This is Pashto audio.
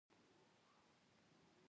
مرسل په لغت کښي مطلق او آزاد سوي ته وايي.